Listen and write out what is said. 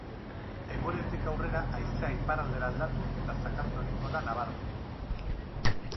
Eguerditik aurrera haizea iparraldera aldatu eta zakartu egingo da nabarmen.